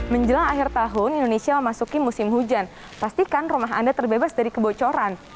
menjelang akhir tahun indonesia memasuki musim hujan pastikan rumah anda terbebas dari kebocoran